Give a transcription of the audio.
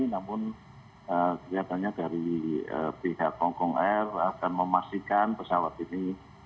namun kelihatannya dari pihak hongkong air akan memastikan pesawat ini